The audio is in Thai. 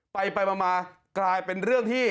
ไปมากลายเป็นเรื่องที่